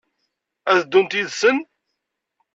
Ad ddunt yid-sen?